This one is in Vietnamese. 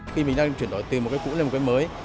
khi mình đang chuyển đổi từ một cái cũ lên một cái mới